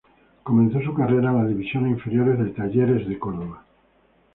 Comenzó su carrera en las divisiones inferiores de Talleres de Córdoba.